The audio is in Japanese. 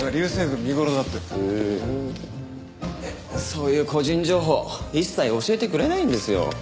そういう個人情報一切教えてくれないんですよ。